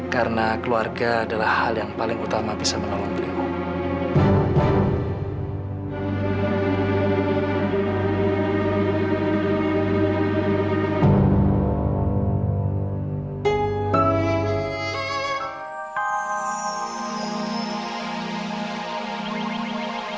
karena keluarga adalah hal yang paling utama bisa menolong beliau